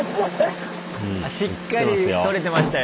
しっかり撮れてましたよ。